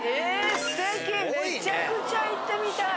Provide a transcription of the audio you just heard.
めちゃくちゃ行ってみたい。